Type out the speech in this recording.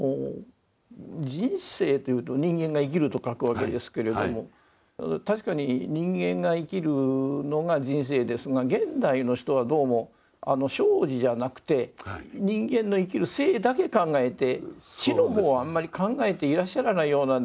人生というと人間が生きると書くわけですけれども確かに人間が生きるのが人生ですが現代の人はどうも生死じゃなくて人間の生きる生だけ考えて死の方はあんまり考えていらっしゃらないようなんですが。